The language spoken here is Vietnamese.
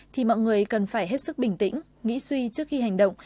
thì mọi người cần phải hết sức bình tĩnh nghĩ suy trước khi hành động